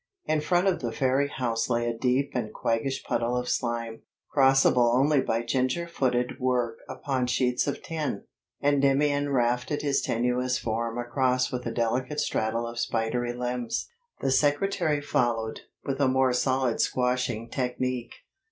In front of the ferry house lay a deep and quaggish puddle of slime, crossable only by ginger footed work upon sheets of tin. Endymion rafted his tenuous form across with a delicate straddle of spidery limbs. The secretary followed, with a more solid squashing technique.